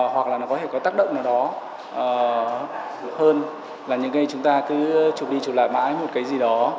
hoặc là nó có thể có tác động nào đó hơn là những cái chúng ta cứ chụp đi chụp lại mãi một cái gì đó